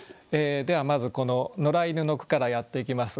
ではまずこの野良犬の句からやっていきます。